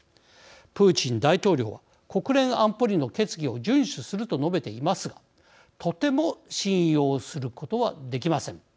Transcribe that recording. プーチン大統領は国連安保理の決議を順守すると述べていますがとても信用することはできません。